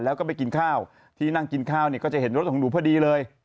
แล้วก็ไปกินข้าวที่นั่งกินข้าวเนี่ยก็จะเห็นรถของหนูพอดีเลย